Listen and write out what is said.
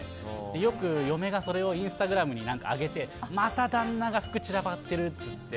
よく嫁がインスタグラムに上げてまた旦那の服が散らばってるって。